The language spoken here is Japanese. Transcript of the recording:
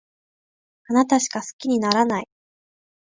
あなたしか好きにならない